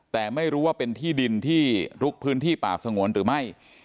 แต่ไม่รู้ว่าเป็นที่ดินที่ลุกพื้นที่ป่าสงวนหรือไม่